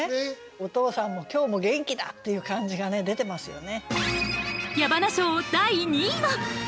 お父さんも今日も元気だという感じがね出てますよね。